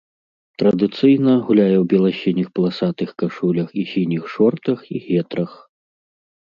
Традыцыйна гуляе ў бела-сініх паласатых кашулях і сініх шортах і гетрах.